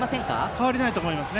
変わりないと思います。